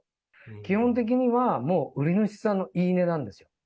基本的にはもう売り主さんの言い値なんですよ。